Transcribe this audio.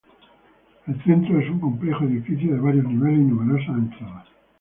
El centro es un complejo edificio de varios niveles y numerosas entradas.